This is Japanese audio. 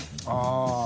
ああ。